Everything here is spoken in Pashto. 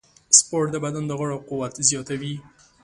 سپورت د بدن د غړو قوت زیاتوي.